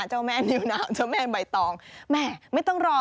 เจ้าแม่นิ้วเจ้าแม่นใบตอง